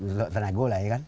untuk tenaga lah ya kan